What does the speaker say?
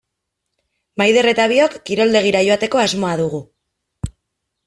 Maider eta biok kiroldegira joateko asmoa dugu.